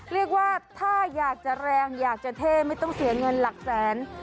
เรียกว่าถ้าอยากจะแรงอยากจะเท่ไม่ต้องเสียเงินหลักแสน